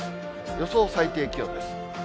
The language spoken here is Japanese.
予想最低気温です。